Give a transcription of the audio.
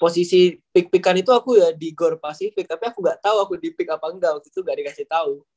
posisi pik pikan itu aku ya di gor pasifik tapi aku gak tau aku di pik apa enggak waktu itu gak dikasih tau